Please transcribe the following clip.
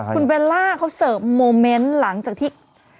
คุณเบลล่าเขาเสิร์ฟโมเมนต์หลังจากที่